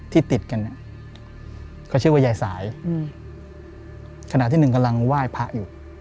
ติดกันเนี่ยเขาชื่อว่ายายสายขณะที่หนึ่งกำลังไหว้พระอยู่